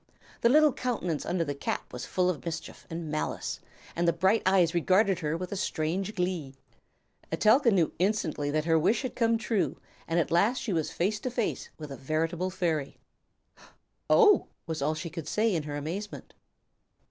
The little countenance under the cap was full of mischief and malice, and the bright eyes regarded her with a strange glee. Etelka knew instantly that her wish had come true, and that at last she was face to face with a veritable fairy. "Oh!" was all she could say in her amazement.